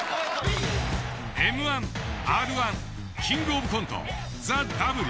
Ｍ−１Ｒ−１「キングオブコント」「ＴＨＥＷ」